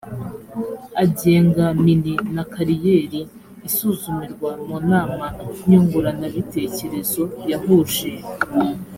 agenga mini na kariyeri isuzumirwa mu nama nyunguranabitekerezo yahuje